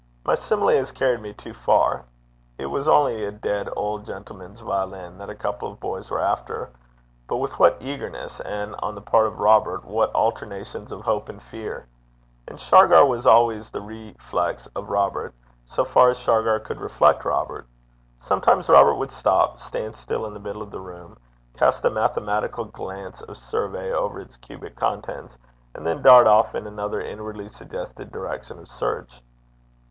My simile has carried me too far: it was only a dead old gentleman's violin that a couple of boys was after but with what eagerness, and, on the part of Robert, what alternations of hope and fear! And Shargar was always the reflex of Robert, so far as Shargar could reflect Robert. Sometimes Robert would stop, stand still in the middle of the room, cast a mathematical glance of survey over its cubic contents, and then dart off in another inwardly suggested direction of search.